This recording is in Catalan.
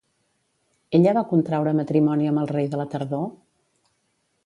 Ella va contraure matrimoni amb el rei de la tardor?